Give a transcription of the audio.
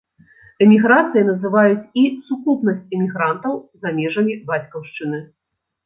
Эміграцыяй называюць і сукупнасць эмігрантаў за межамі бацькаўшчыны.